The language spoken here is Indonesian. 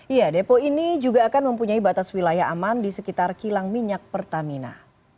iya depo ini juga akan mempunyai batas wilayah aman di sekitar kilang minyak pertamina